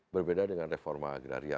berbeda dengan reforma agraria